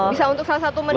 bisa untuk salah satu menunya